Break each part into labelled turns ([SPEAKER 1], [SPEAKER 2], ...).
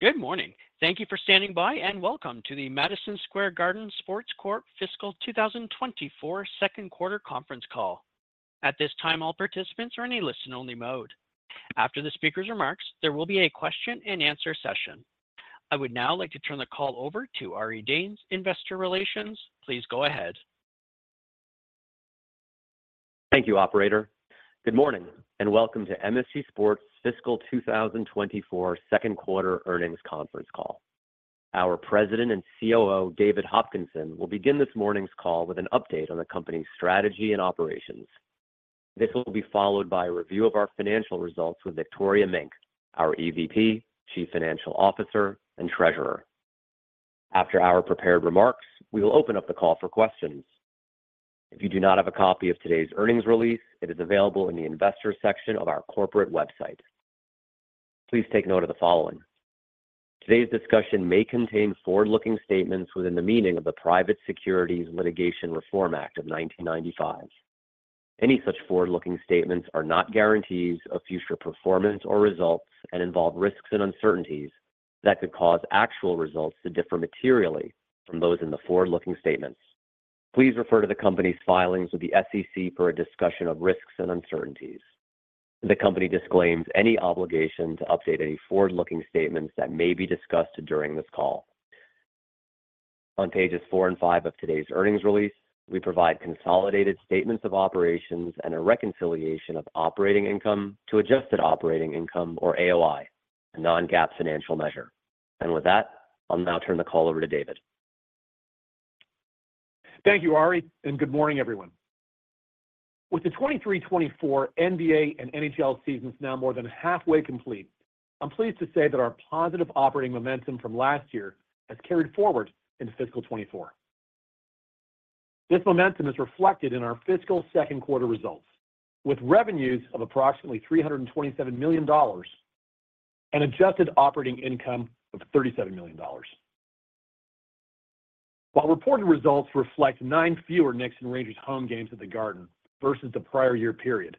[SPEAKER 1] Good morning! Thank you for standing by, and welcome to the Madison Square Garden Sports Corp. Fiscal 2024 second quarter conference call. At this time, all participants are in a listen-only mode. After the speaker's remarks, there will be a question-and-answer session. I would now like to turn the call over to Ari Danes, Investor Relations. Please go ahead.
[SPEAKER 2] Thank you, operator. Good morning, and welcome to MSG Sports Fiscal 2024 second quarter earnings conference call. Our President and COO, David Hopkinson, will begin this morning's call with an update on the company's strategy and operations. This will be followed by a review of our financial results with Victoria Mink, our Executive Vice President, Chief Financial Officer, and Treasurer. After our prepared remarks, we will open up the call for questions. If you do not have a copy of today's earnings release, it is available in the Investors section of our corporate website. Please take note of the following: Today's discussion may contain forward-looking statements within the meaning of the Private Securities Litigation Reform Act of 1995. Any such forward-looking statements are not guarantees of future performance or results and involve risks and uncertainties that could cause actual results to differ materially from those in the forward-looking statements. Please refer to the company's filings with the SEC for a discussion of risks and uncertainties. The company disclaims any obligation to update any forward-looking statements that may be discussed during this call. On pages four and five of today's earnings release, we provide consolidated statements of operations and a reconciliation of operating income to adjusted operating income, or AOI, a non-GAAP financial measure. With that, I'll now turn the call over to David.
[SPEAKER 3] Thank you, Ari, and good morning, everyone. With the 2023-24 NBA and NHL seasons now more than halfway complete, I'm pleased to say that our positive operating momentum from last year has carried forward into fiscal 2024. This momentum is reflected in our fiscal second quarter results, with revenues of approximately $327 million and adjusted operating income of $37 million. While reported results reflect nine fewer Knicks and Rangers home games at the Garden versus the prior year period,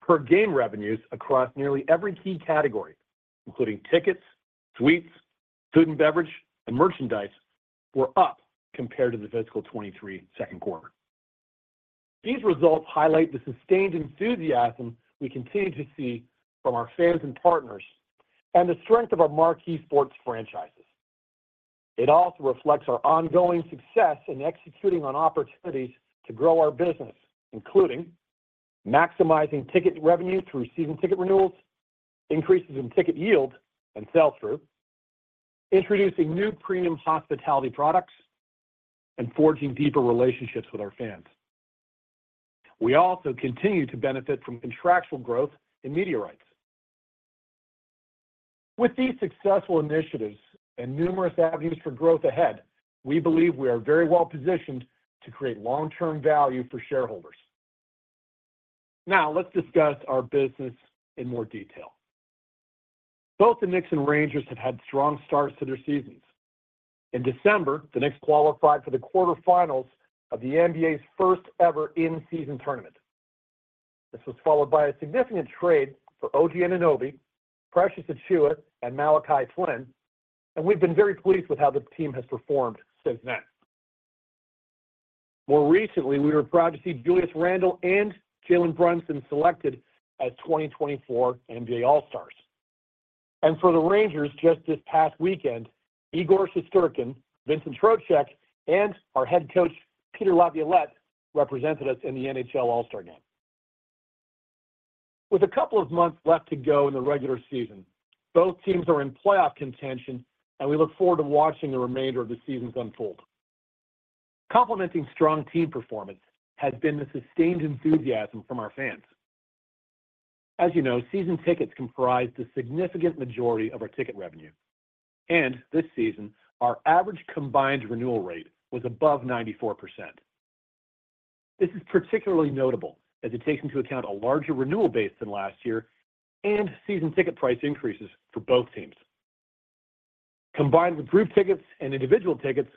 [SPEAKER 3] per game revenues across nearly every key category, including tickets, suites, food and beverage, and merchandise, were up compared to the fiscal 2023 second quarter. These results highlight the sustained enthusiasm we continue to see from our fans and partners and the strength of our marquee sports franchises. It also reflects our ongoing success in executing on opportunities to grow our business, including maximizing ticket revenue through season ticket renewals, increases in ticket yield and sell-through, introducing new premium hospitality products, and forging deeper relationships with our fans. We also continue to benefit from contractual growth in media rights. With these successful initiatives and numerous avenues for growth ahead, we believe we are very well positioned to create long-term value for shareholders. Now, let's discuss our business in more detail. Both the Knicks and Rangers have had strong starts to their seasons. In December, the Knicks qualified for the quarterfinals of the NBA's first-ever in-season tournament. This was followed by a significant trade for OG Anunoby, Precious Achiuwa, and Malachi Flynn, and we've been very pleased with how the team has performed since then. More recently, we were proud to see Julius Randle and Jalen Brunson selected as 2024 NBA All-Stars. For the Rangers, just this past weekend, Igor Shesterkin, Vincent Trocheck, and our head coach, Peter Laviolette, represented us in the NHL All-Star Game. With a couple of months left to go in the regular season, both teams are in playoff contention, and we look forward to watching the remainder of the seasons unfold. Complementing strong team performance has been the sustained enthusiasm from our fans. As you know, season tickets comprise the significant majority of our ticket revenue, and this season, our average combined renewal rate was above 94%. This is particularly notable as it takes into account a larger renewal base than last year and season ticket price increases for both teams. Combined with group tickets and individual tickets,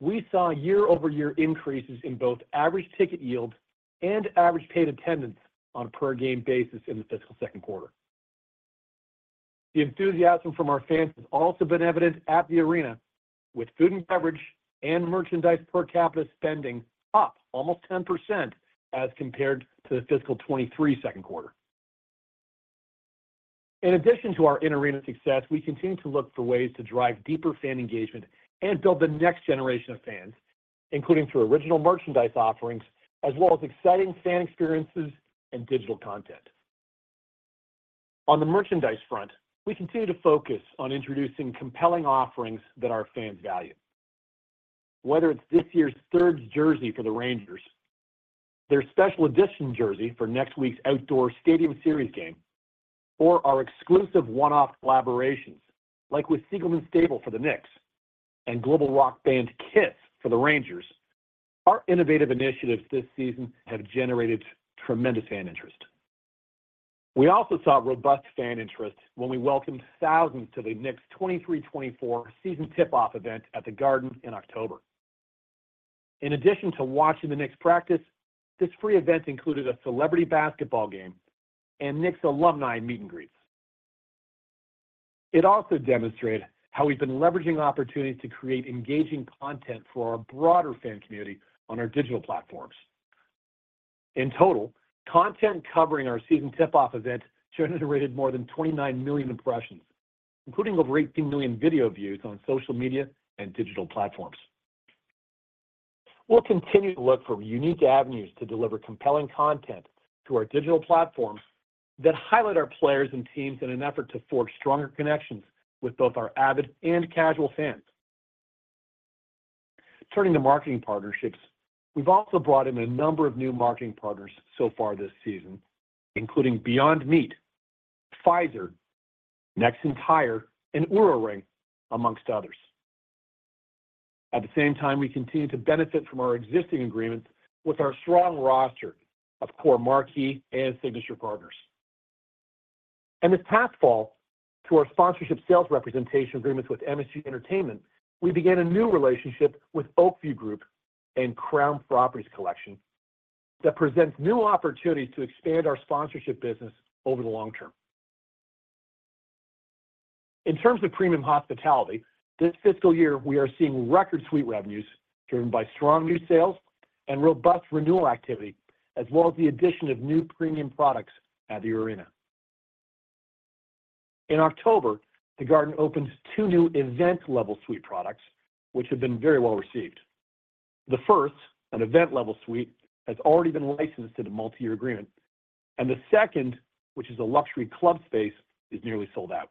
[SPEAKER 3] we saw year-over-year increases in both average ticket yield and average paid attendance on a per-game basis in the fiscal second quarter. The enthusiasm from our fans has also been evident at the arena, with food and beverage and merchandise per capita spending up almost 10% as compared to the fiscal 2023 second quarter. In addition to our in-arena success, we continue to look for ways to drive deeper fan engagement and build the next generation of fans, including through original merchandise offerings, as well as exciting fan experiences and digital content. On the merchandise front, we continue to focus on introducing compelling offerings that our fans value. Whether it's this year's third jersey for the Rangers, their special edition jersey for next week's outdoor Stadium Series game, or our exclusive one-off collaborations, like with Siegelman Stable for the Knicks and global rock band KISS for the Rangers, our innovative initiatives this season have generated tremendous fan interest. We also saw robust fan interest when we welcomed thousands to the Knicks' 23-24 season tip-off event at The Garden in October. In addition to watching the Knicks practice, this free event included a celebrity basketball game and Knicks alumni meet and greets. It also demonstrated how we've been leveraging opportunities to create engaging content for our broader fan community on our digital platforms. In total, content covering our season tip-off event generated more than 29 million impressions, including over 18 million video views on social media and digital platforms. We'll continue to look for unique avenues to deliver compelling content to our digital platforms that highlight our players and teams in an effort to forge stronger connections with both our avid and casual fans. Turning to marketing partnerships, we've also brought in a number of new marketing partners so far this season, including Beyond Meat, Pfizer, Nexen Tire, and Oura Ring, amongst others. At the same time, we continue to benefit from our existing agreements with our strong roster of core marquee and signature partners. And this past fall, through our sponsorship sales representation agreements with MSG Entertainment, we began a new relationship with Oak View Group and Crown Properties Collection that presents new opportunities to expand our sponsorship business over the long term. In terms of premium hospitality, this fiscal year we are seeing record suite revenues, driven by strong new sales and robust renewal activity, as well as the addition of new premium products at the arena. In October, the Garden opened two new event-level suite products, which have been very well received. The first, an event-level suite, has already been licensed in a multi-year agreement, and the second, which is a luxury club space, is nearly sold out.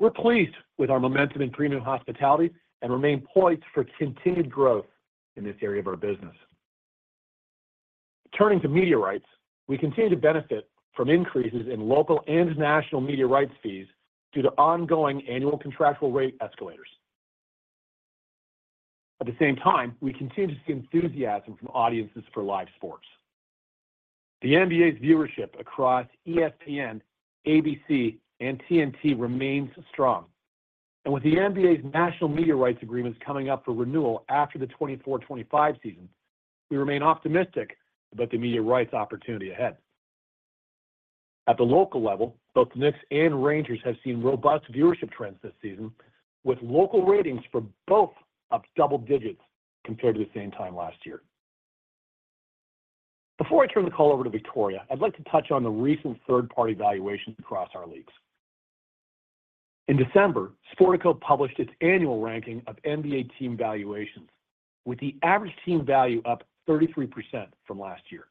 [SPEAKER 3] We're pleased with our momentum in premium hospitality and remain poised for continued growth in this area of our business. Turning to media rights, we continue to benefit from increases in local and national media rights fees due to ongoing annual contractual rate escalators. At the same time, we continue to see enthusiasm from audiences for live sports. The NBA's viewership across ESPN, ABC, and TNT remains strong, and with the NBA's national media rights agreements coming up for renewal after the 2024-25 season, we remain optimistic about the media rights opportunity ahead. At the local level, both the Knicks and Rangers have seen robust viewership trends this season, with local ratings for both up double digits compared to the same time last year. Before I turn the call over to Victoria, I'd like to touch on the recent third-party valuations across our leagues. In December, Sportico published its annual ranking of NBA team valuations, with the average team value up 33% from last year.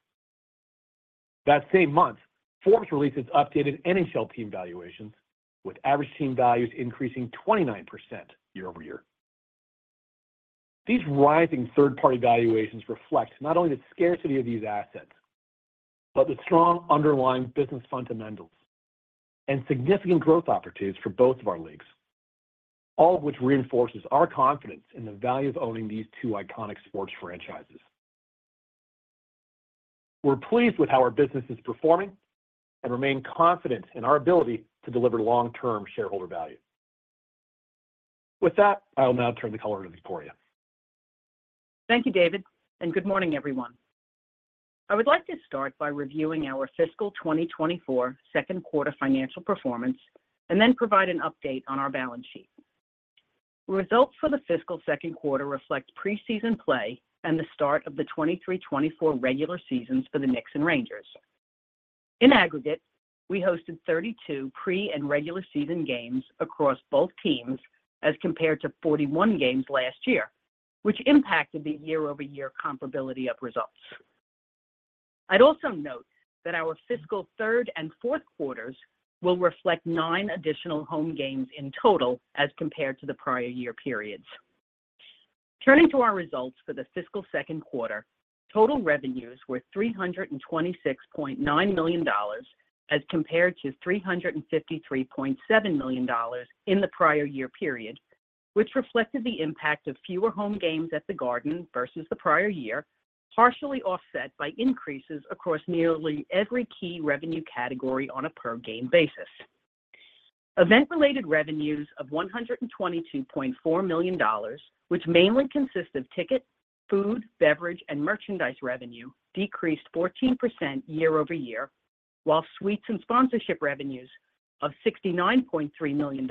[SPEAKER 3] That same month, Forbes released its updated NHL team valuations, with average team values increasing 29% year-over-year. These rising third-party valuations reflect not only the scarcity of these assets, but the strong underlying business fundamentals and significant growth opportunities for both of our leagues, all of which reinforces our confidence in the value of owning these two iconic sports franchises. We're pleased with how our business is performing and remain confident in our ability to deliver long-term shareholder value. With that, I will now turn the call over to Victoria.
[SPEAKER 4] Thank you, David, and good morning, everyone. I would like to start by reviewing our fiscal 2024 second quarter financial performance, and then provide an update on our balance sheet. Results for the fiscal second quarter reflect preseason play and the start of the 2023-2024 regular seasons for the Knicks and Rangers. In aggregate, we hosted 32 pre and regular season games across both teams, as compared to 41 games last year, which impacted the year-over-year comparability of results. I'd also note that our fiscal third and fourth quarters will reflect nine additional home games in total as compared to the prior year periods. Turning to our results for the fiscal second quarter, total revenues were $326.9 million, as compared to $353.7 million in the prior year period, which reflected the impact of fewer home games at The Garden versus the prior year, partially offset by increases across nearly every key revenue category on a per-game basis. Event-related revenues of $122.4 million, which mainly consist of ticket, food, beverage, and merchandise revenue, decreased 14% year-over-year, while suites and sponsorship revenues of $69.3 million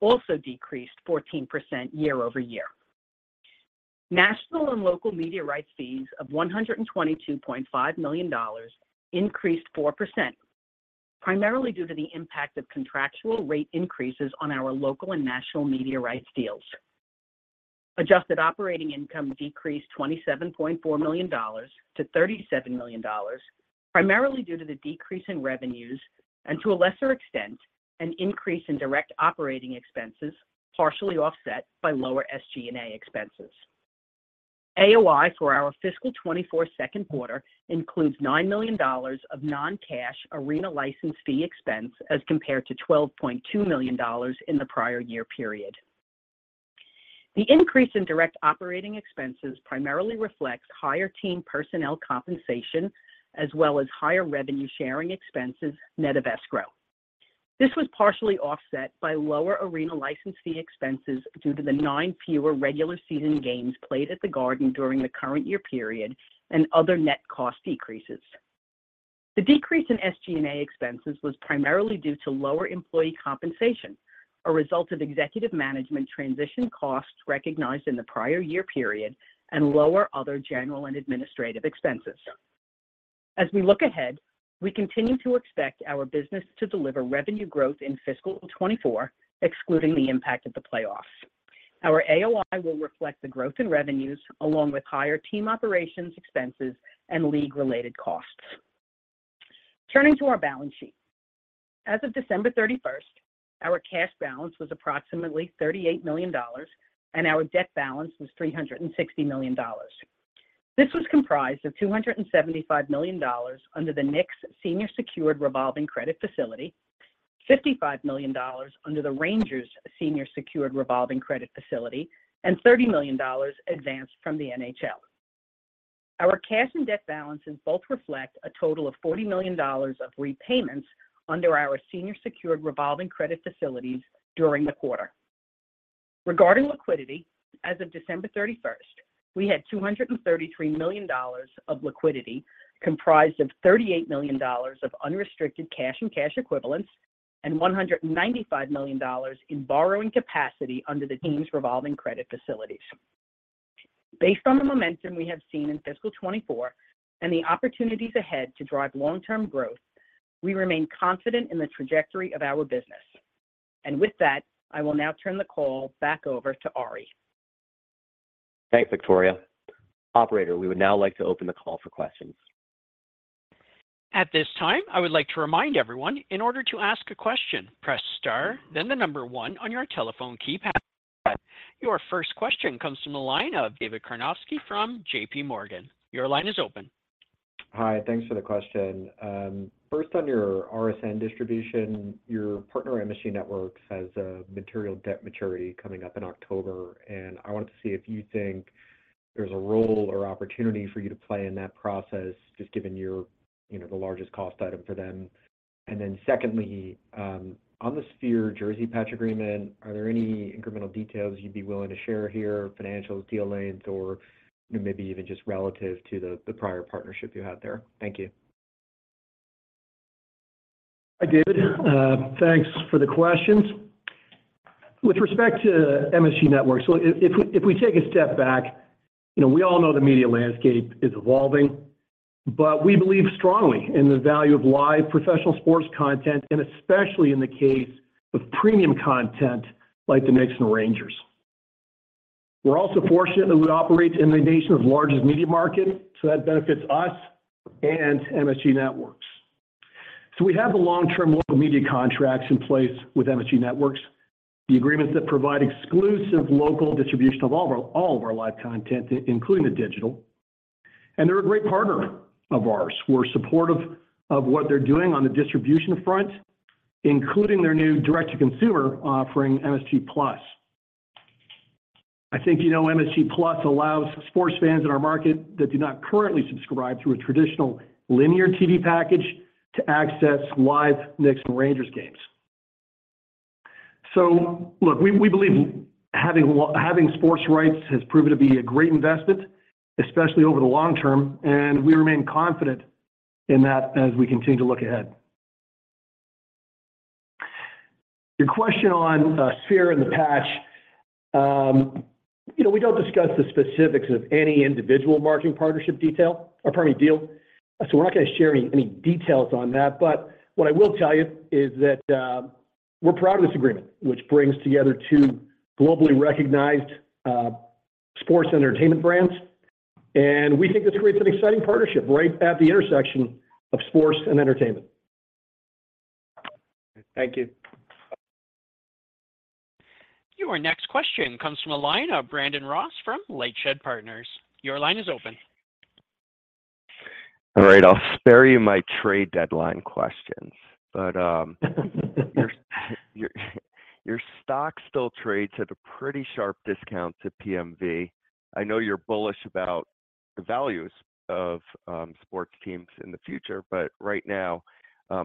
[SPEAKER 4] also decreased 14% year-over-year. National and local media rights fees of $122.5 million increased 4%, primarily due to the impact of contractual rate increases on our local and national media rights deals. Adjusted Operating Income decreased $27.4 million to $37 million, primarily due to the decrease in revenues, and to a lesser extent, an increase in direct operating expenses, partially offset by lower SG&A expenses. AOI for our fiscal 2024 second quarter includes $9 million of non-cash arena license fee expense, as compared to $12.2 million in the prior year period. The increase in direct operating expenses primarily reflects higher team personnel compensation, as well as higher revenue sharing expenses net of escrow. This was partially offset by lower arena license fee expenses due to the 9 fewer regular season games played at the Garden during the current year period and other net cost decreases. The decrease in SG&A expenses was primarily due to lower employee compensation, a result of executive management transition costs recognized in the prior year period, and lower other general and administrative expenses. As we look ahead, we continue to expect our business to deliver revenue growth in fiscal 2024, excluding the impact of the playoffs. Our AOI will reflect the growth in revenues, along with higher team operations expenses and league-related costs. Turning to our balance sheet. As of December 31, our cash balance was approximately $38 million, and our debt balance was $360 million. This was comprised of $275 million under the Knicks senior secured revolving credit facility, $55 million under the Rangers senior secured revolving credit facility, and $30 million advanced from the NHL. Our cash and debt balances both reflect a total of $40 million of repayments under our senior secured revolving credit facilities during the quarter. Regarding liquidity, as of December 31, we had $233 million of liquidity, comprised of $38 million of unrestricted cash and cash equivalents, and $195 million in borrowing capacity under the team's revolving credit facilities. Based on the momentum we have seen in fiscal 2024 and the opportunities ahead to drive long-term growth, we remain confident in the trajectory of our business. With that, I will now turn the call back over to Ari.
[SPEAKER 2] Thanks, Victoria. Operator, we would now like to open the call for questions.
[SPEAKER 1] At this time, I would like to remind everyone, in order to ask a question, press Star, then the number one on your telephone keypad. Your first question comes from the line of David Karnovsky from J.P. Morgan. Your line is open.
[SPEAKER 5] Hi, thanks for the question. First, on your RSN distribution, your partner, MSG Networks, has a material debt maturity coming up in October, and I wanted to see if you think there's a role or opportunity for you to play in that process, just given your... you know, the largest cost item for them. And then secondly, on the Sphere jersey patch agreement, are there any incremental details you'd be willing to share here, financials, deal lanes, or maybe even just relative to the, the prior partnership you had there? Thank you.
[SPEAKER 3] Hi, David. Thanks for the questions. With respect to MSG Networks, so if we take a step back, you know, we all know the media landscape is evolving, but we believe strongly in the value of live professional sports content, and especially in the case of premium content like the Knicks and Rangers. We're also fortunate that we operate in the nation's largest media market, so that benefits us and MSG Networks. So we have the long-term local media contracts in place with MSG Networks, the agreements that provide exclusive local distribution of all of our, all of our live content, including the digital. And they're a great partner of ours. We're supportive of what they're doing on the distribution front, including their new direct-to-consumer offering, MSG Plus. I think you know MSG+ allows sports fans in our market that do not currently subscribe to a traditional linear TV package to access live Knicks and Rangers games. So look, we believe having sports rights has proven to be a great investment, especially over the long term, and we remain confident in that as we continue to look ahead. Your question on Sphere and the patch. You know, we don't discuss the specifics of any individual marketing partnership detail or pardon me, deal, so we're not going to share any details on that. But what I will tell you is that we're proud of this agreement, which brings together two globally recognized sports entertainment brands, and we think this creates an exciting partnership right at the intersection of sports and entertainment.
[SPEAKER 5] Thank you.
[SPEAKER 1] Your next question comes from the line of Brandon Ross from LightShed Partners. Your line is open.
[SPEAKER 6] All right, I'll spare you my trade deadline questions. But your stock still trades at a pretty sharp discount to PMV. I know you're bullish about the values of sports teams in the future, but right now,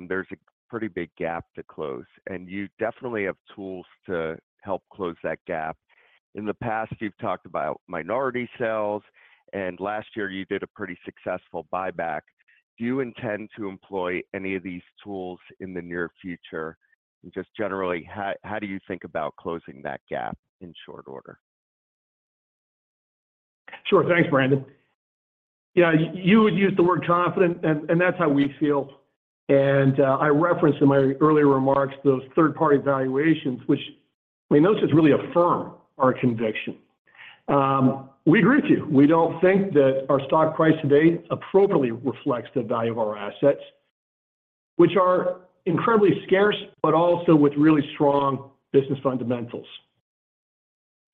[SPEAKER 6] there's a pretty big gap to close, and you definitely have tools to help close that gap. In the past, you've talked about minority sales, and last year you did a pretty successful buyback. Do you intend to employ any of these tools in the near future? And just generally, how do you think about closing that gap in short order?
[SPEAKER 3] Sure. Thanks, Brandon. Yeah, you would use the word confident, and that's how we feel. I referenced in my earlier remarks those third-party valuations, which we noted, has really affirmed our conviction. We agree with you. We don't think that our stock price today appropriately reflects the value of our assets, which are incredibly scarce, but also with really strong business fundamentals.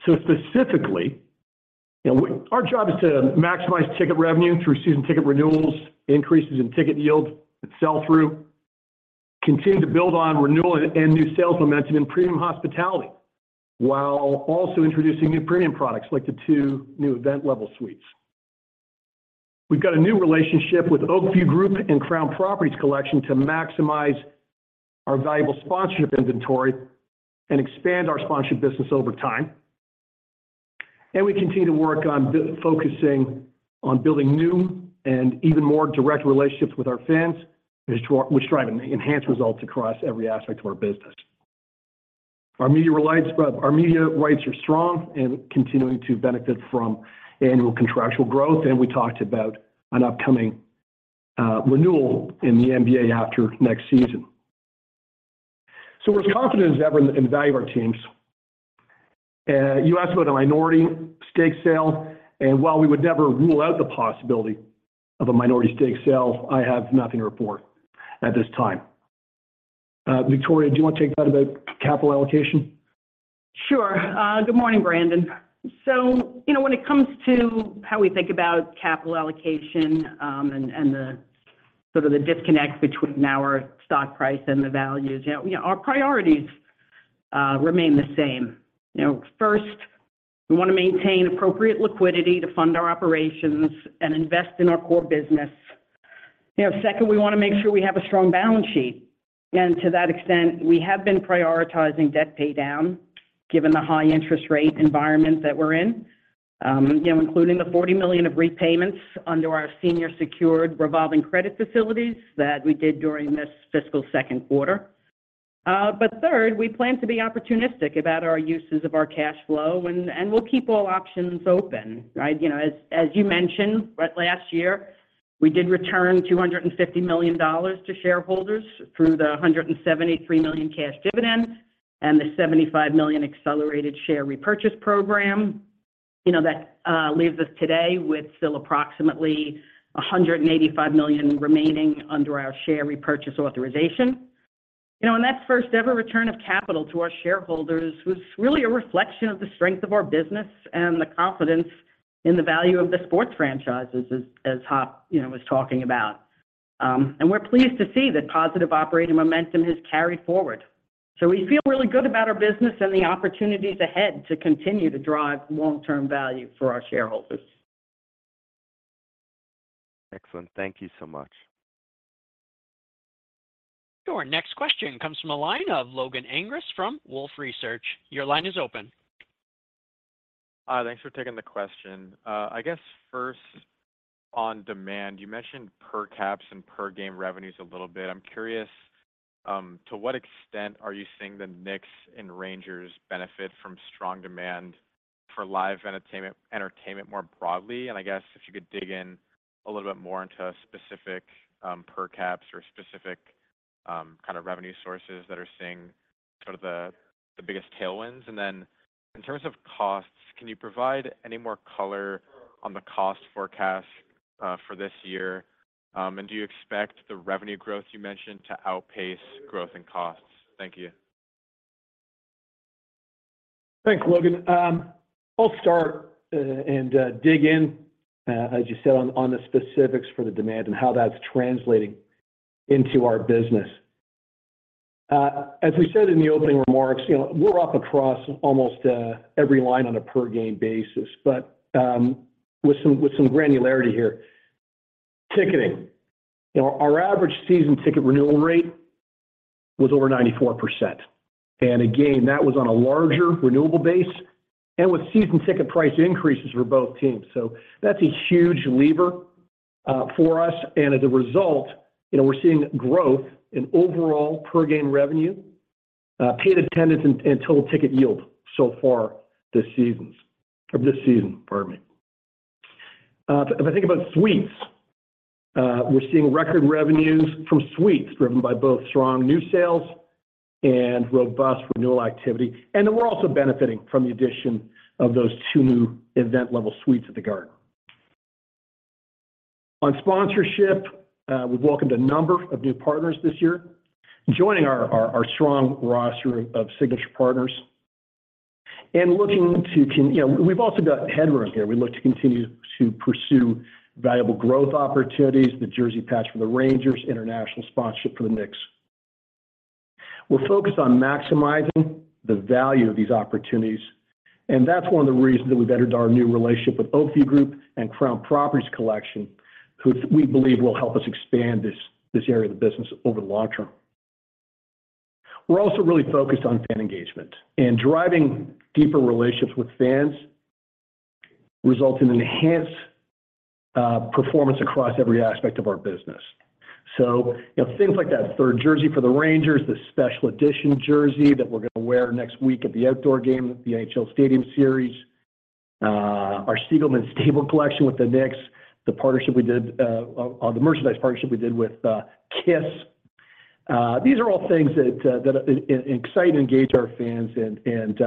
[SPEAKER 3] So specifically, our job is to maximize ticket revenue through season ticket renewals, increases in ticket yield and sell-through, continue to build on renewal and new sales momentum in premium hospitality, while also introducing new premium products like the two new event level suites. We've got a new relationship with Oak View Group and Crown Properties Collection to maximize our valuable sponsorship inventory and expand our sponsorship business over time. We continue to work on focusing on building new and even more direct relationships with our fans, which drive and enhance results across every aspect of our business. Our media rights are strong and continuing to benefit from annual contractual growth, and we talked about an upcoming renewal in the NBA after next season. We're as confident as ever in the value of our teams. You asked about a minority stake sale, and while we would never rule out the possibility of a minority stake sale, I have nothing to report at this time. Victoria, do you want to take that about capital allocation?
[SPEAKER 4] Sure. Good morning, Brandon. So, you know, when it comes to how we think about capital allocation, and the sort of disconnect between our stock price and the values, you know, our priorities remain the same. You know, first, we want to maintain appropriate liquidity to fund our operations and invest in our core business. You know, second, we want to make sure we have a strong balance sheet, and to that extent, we have been prioritizing debt paydown, given the high interest rate environment that we're in. You know, including the $40 million of repayments under our senior secured revolving credit facilities that we did during this fiscal second quarter. But third, we plan to be opportunistic about our uses of our cash flow, and we'll keep all options open, right? You know, as you mentioned, right, last year, we did return $250 million to shareholders through the $173 million cash dividend and the $75 million accelerated share repurchase program. You know, that leaves us today with still approximately $185 million remaining under our share repurchase authorization. You know, and that first-ever return of capital to our shareholders was really a reflection of the strength of our business and the confidence in the value of the sports franchises, as Hop you know was talking about. And we're pleased to see that positive operating momentum has carried forward. So we feel really good about our business and the opportunities ahead to continue to drive long-term value for our shareholders.
[SPEAKER 6] Excellent. Thank you so much.
[SPEAKER 1] Your next question comes from the line of Logan Angress from Wolfe Research. Your line is open.
[SPEAKER 7] Thanks for taking the question. I guess first, on demand, you mentioned per caps and per game revenues a little bit. I'm curious to what extent are you seeing the Knicks and Rangers benefit from strong demand for live entertainment, entertainment more broadly? And I guess if you could dig in a little bit more into specific per caps or specific kind of revenue sources that are seeing sort of the biggest tailwinds. And then in terms of costs, can you provide any more color on the cost forecast for this year? And do you expect the revenue growth you mentioned to outpace growth and costs? Thank you.
[SPEAKER 3] Thanks, Logan. I'll start and dig in, as you said, on the specifics for the demand and how that's translating into our business. As we said in the opening remarks, you know, we're up across almost every line on a per game basis, but with some granularity here. Ticketing. Our average season ticket renewal rate was over 94%, and again, that was on a larger renewable base and with season ticket price increases for both teams. So that's a huge lever for us, and as a result, you know, we're seeing growth in overall per game revenue, paid attendance, and total ticket yield so far this season, pardon me. If I think about suites, we're seeing record revenues from suites driven by both strong new sales and robust renewal activity, and then we're also benefiting from the addition of those two new event level suites at the Garden. On sponsorship, we've welcomed a number of new partners this year, joining our strong roster of signature partners. You know, we've also got headroom here. We look to continue to pursue valuable growth opportunities, the jersey patch for the Rangers, international sponsorship for the Knicks. We're focused on maximizing the value of these opportunities, and that's one of the reasons that we've entered our new relationship with Oak View Group and Crown Properties Collection, who we believe will help us expand this area of the business over the long term. We're also really focused on fan engagement, and driving deeper relationships with fans results in enhanced performance across every aspect of our business. So you know, things like that third jersey for the Rangers, the special edition jersey that we're going to wear next week at the outdoor game, the NHL Stadium Series, our Siegelman Stable collection with the Knicks, the partnership we did, the merchandise partnership we did with KISS. These are all things that excite and engage our fans and,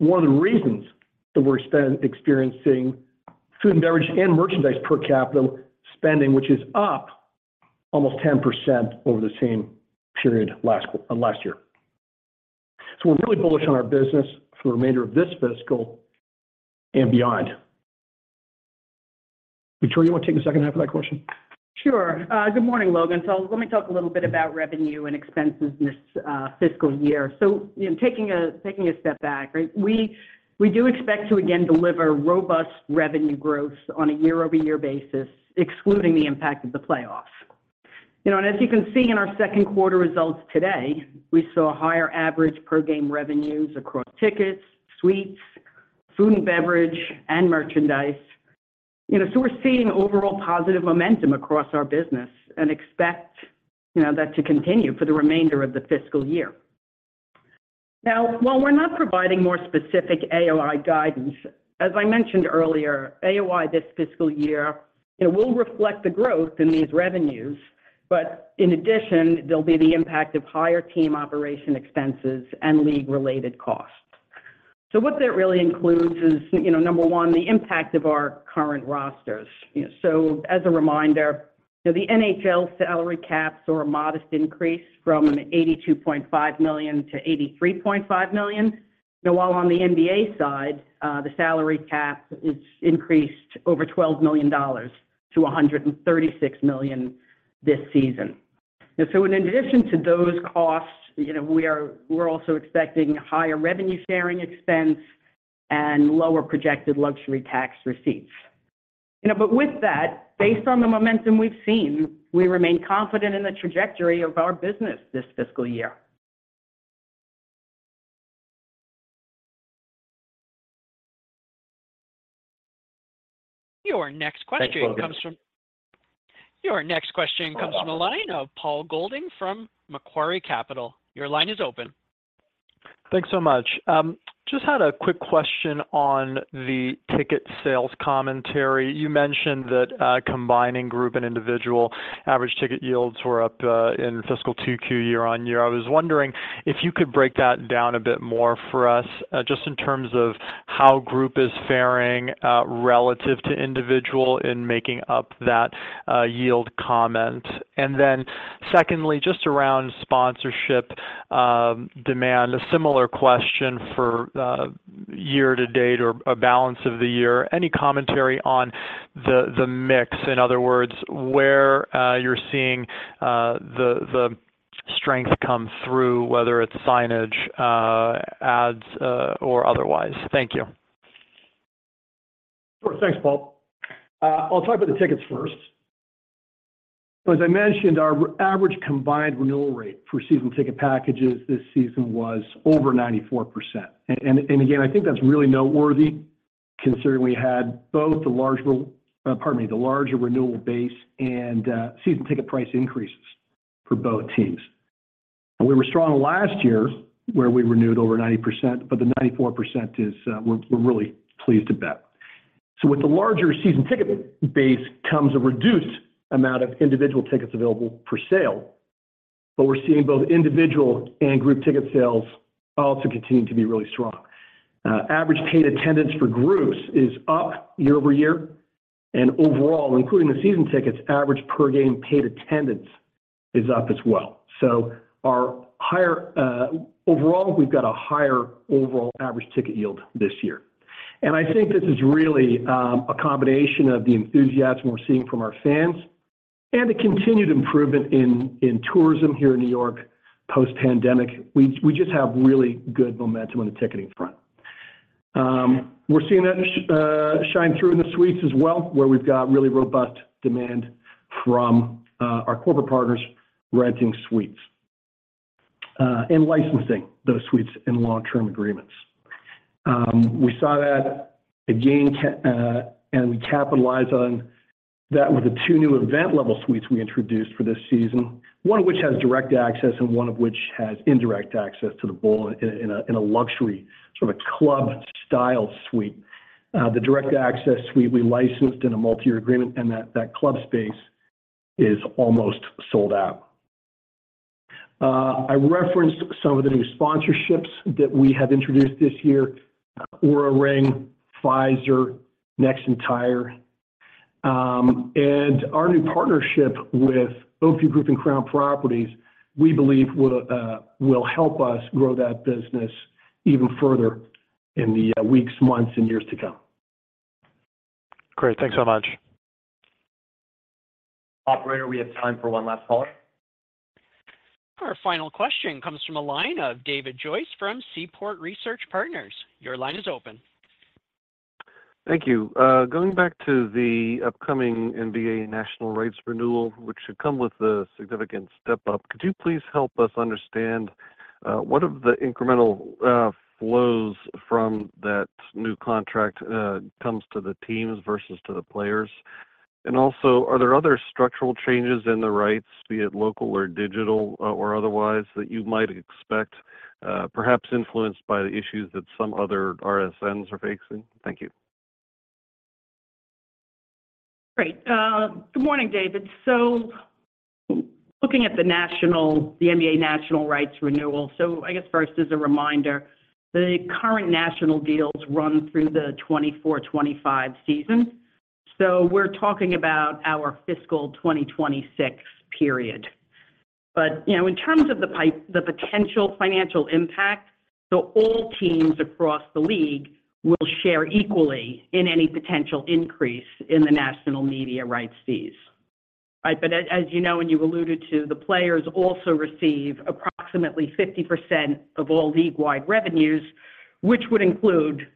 [SPEAKER 3] one of the reasons that we're experiencing food and beverage and merchandise per capita spending, which is up almost 10% over the same period last year. So we're really bullish on our business for the remainder of this fiscal and beyond. Victoria, you want to take the second half of that question?...
[SPEAKER 4] Sure. Good morning, Logan. So let me talk a little bit about revenue and expenses in this fiscal year. So, you know, taking a step back, right? We do expect to again deliver robust revenue growth on a year-over-year basis, excluding the impact of the playoffs. You know, and as you can see in our second quarter results today, we saw higher average per game revenues across tickets, suites, food and beverage, and merchandise. You know, so we're seeing overall positive momentum across our business and expect, you know, that to continue for the remainder of the fiscal year. Now, while we're not providing more specific AOI guidance, as I mentioned earlier, AOI this fiscal year, it will reflect the growth in these revenues, but in addition, there'll be the impact of higher team operation expenses and league-related costs. So what that really includes is, you know, number one, the impact of our current rosters. You know, so as a reminder, you know, the NHL salary caps saw a modest increase from $82.5 million to $83.5 million. Now, while on the NBA side, the salary cap is increased over $12 million to $136 million this season. And so in addition to those costs, you know, we are-- we're also expecting higher revenue sharing expense and lower projected luxury tax receipts. You know, but with that, based on the momentum we've seen, we remain confident in the trajectory of our business this fiscal year.
[SPEAKER 1] Your next question-
[SPEAKER 3] Thanks, Logan.
[SPEAKER 1] comes from... Your next question comes-
[SPEAKER 7] You're welcome
[SPEAKER 1] from the line of Paul Golding from Macquarie Capital. Your line is open.
[SPEAKER 8] Thanks so much. Just had a quick question on the ticket sales commentary. You mentioned that, combining group and individual average ticket yields were up, in fiscal 2Q year-on-year. I was wondering if you could break that down a bit more for us, just in terms of how group is faring, relative to individual in making up that, yield comment. And then secondly, just around sponsorship, demand, a similar question for, year to date or a balance of the year. Any commentary on the, the mix, in other words, where, you're seeing, the, the strength come through, whether it's signage, ads, or otherwise? Thank you.
[SPEAKER 3] Sure. Thanks, Paul. I'll talk about the tickets first. As I mentioned, our average combined renewal rate for season ticket packages this season was over 94%. And again, I think that's really noteworthy, considering we had both the larger renewable base and season ticket price increases for both teams. We were strong last year, where we renewed over 90%, but the 94% is, we're really pleased with that. So with the larger season ticket base comes a reduced amount of individual tickets available for sale, but we're seeing both individual and group ticket sales also continue to be really strong. Average paid attendance for groups is up year-over-year, and overall, including the season tickets, average per game paid attendance is up as well. So our higher... Overall, we've got a higher overall average ticket yield this year. I think this is really a combination of the enthusiasm we're seeing from our fans and a continued improvement in tourism here in New York, post-pandemic. We just have really good momentum on the ticketing front. We're seeing that shine through in the suites as well, where we've got really robust demand from our corporate partners renting suites and licensing those suites in long-term agreements. We saw that again, and we capitalize on that with the two new event level suites we introduced for this season, one of which has direct access, and one of which has indirect access to the bowl in a luxury, sort of a club-style suite. The direct access suite we licensed in a multi-year agreement, and that club space is almost sold out. I referenced some of the new sponsorships that we have introduced this year, Oura Ring, Pfizer, Nexen Tire. And our new partnership with Oak View Group and Crown Properties, we believe will help us grow that business even further in the weeks, months, and years to come.
[SPEAKER 8] Great. Thanks so much.
[SPEAKER 3] Operator, we have time for one last caller.
[SPEAKER 1] Our final question comes from the line of David Joyce from Seaport Research Partners. Your line is open.
[SPEAKER 9] Thank you. Going back to the upcoming NBA national rights renewal, which should come with a significant step up, could you please help us understand, what of the incremental flows from that new contract comes to the teams versus to the players? And also, are there other structural changes in the rights, be it local or digital, or otherwise, that you might expect, perhaps influenced by the issues that some other RSNs are facing? Thank you.
[SPEAKER 4] Great. Good morning, David. So looking at the NBA national rights renewal, so I guess first as a reminder, the current national deals run through the 2024-25 season. So we're talking about our fiscal 2026 period. But, you know, in terms of the potential financial impact, so all teams across the league will share equally in any potential increase in the national media rights fees, right? But as, as you know, and you've alluded to, the players also receive approximately 50% of all league-wide revenues, which would include,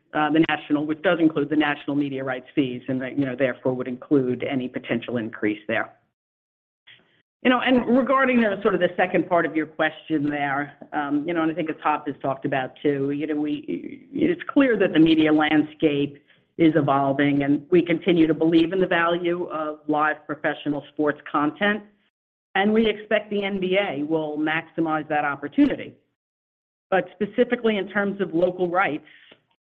[SPEAKER 4] which does include the national media rights fees, and, you know, therefore, would include any potential increase there. You know, and regarding the sort of the second part of your question there, you know, and I think as Hop has talked about too, you know, we, it's clear that the media landscape is evolving, and we continue to believe in the value of live professional sports content, and we expect the NBA will maximize that opportunity. But specifically in terms of local rights,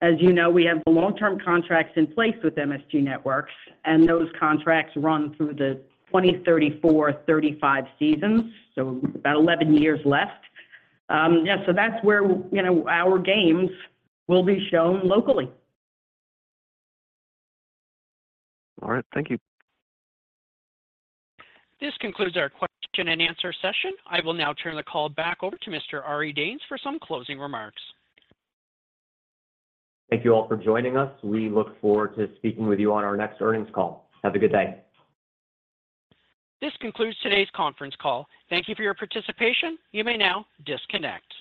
[SPEAKER 4] as you know, we have long-term contracts in place with MSG Networks, and those contracts run through the 2034, 2035 seasons, so about 11 years left. Yeah, so that's where, you know, our games will be shown locally.
[SPEAKER 9] All right. Thank you.
[SPEAKER 1] This concludes our question and answer session. I will now turn the call back over to Mr. Ari Danes for some closing remarks.
[SPEAKER 2] Thank you all for joining us. We look forward to speaking with you on our next earnings call. Have a good day.
[SPEAKER 1] This concludes today's conference call. Thank you for your participation. You may now disconnect.